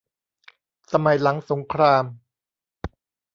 สมัยหลังสงคราม